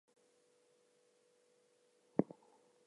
Is it not glorious to be eaten by the children of a chief?